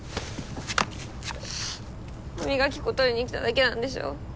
歯磨き粉取りに来ただけなんでしょ？